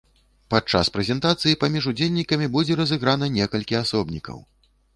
Падчас прэзентацыі паміж удзельнікамі будзе разыграна некалькі асобнікаў!